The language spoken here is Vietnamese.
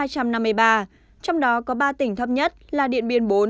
trong đó có ba tỉnh thấp nhất là điện biên bốn